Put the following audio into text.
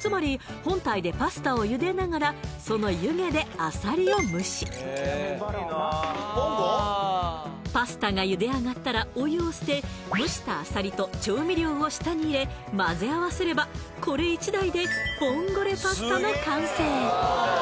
つまり本体でパスタを茹でながらその湯気であさりを蒸しパスタが茹で上がったらお湯を捨て蒸したあさりと調味料を下に入れまぜあわせればこれ１台でボンゴレパスタの完成